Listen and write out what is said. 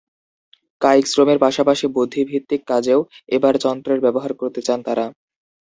কায়িক শ্রমের পাশাপাশি বুদ্ধিভিত্তিক কাজেও এবার যন্ত্রের ব্যবহার করতে চান তাঁরা।